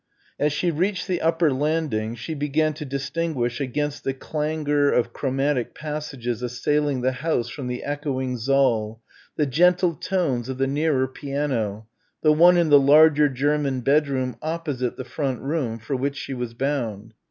As she reached the upper landing she began to distinguish against the clangour of chromatic passages assailing the house from the echoing saal, the gentle tones of the nearer piano, the one in the larger German bedroom opposite the front room for which she was bound.